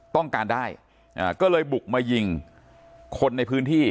ต้องการได้ก็เลยบุกมายิงคนในพื้นที่